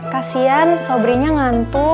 kasian sobri nya ngantuk